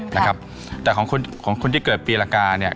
แต่ของคนที่เกิดปีละกาเนี่ย